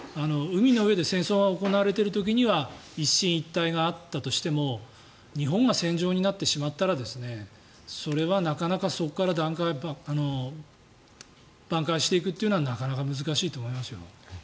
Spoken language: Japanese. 海の上で戦争が行われている時は一進一退があったとしても日本が戦場になってしまったらそれはなかなかそこからばん回していくのはなかなか難しいと思いますよ。